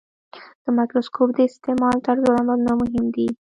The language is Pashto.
د مایکروسکوپ د استعمال طرزالعملونه مهم دي.